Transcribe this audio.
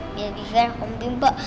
ah biar gitu kan aku mimpi mbak